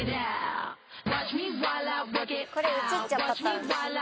これ映っちゃうパターン。